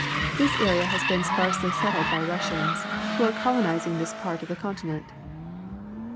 This area has been sparsely settled by Russians, who are colonizing this part of the continent.